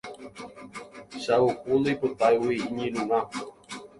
Chavuku ndoipotáigui iñirũrã